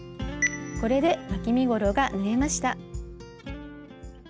これでわき身ごろが縫えました。